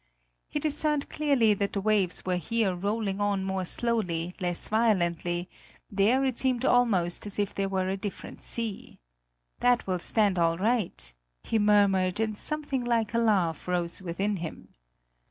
He discerned clearly that the waves were here rolling on more slowly, less violently; there it seemed almost as if there were a different sea. "That will stand all right!" he murmured, and something like a laugh rose within him.